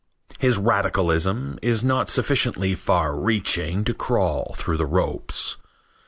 His radicalism is not sufficiently far reaching to crawl through the ropes.